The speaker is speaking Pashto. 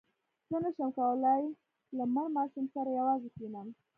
زه نه شم کولای له مړ ماشوم سره یوازې کښېنم.